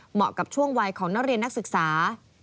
เหมาะกับช่วงวัยของนักเรียนนักศึกษา